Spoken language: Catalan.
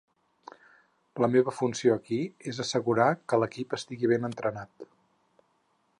La meva funció aquí és assegurar que l'equip estigui ben entrenat.